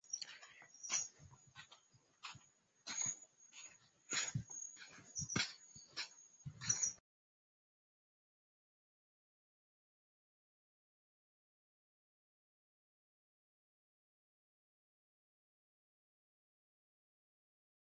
Hata hivyo sumu yao haina hatari sana kwa watu; inaweza kusababisha maumivu ya kichwa.